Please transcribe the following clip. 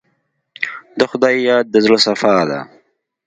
د خدای یاد د زړه صفا ده.